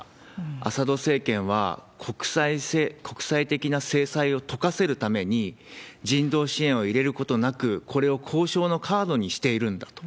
アサド政権は、国際的な制裁を解かせるために、人道支援を入れることなく、これを交渉のカードにしているんだと。